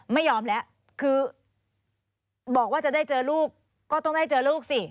ไม่ยอมแล้วคือบอกว่าจะได้เจอลูกก็ต้องได้เจอลูกสิ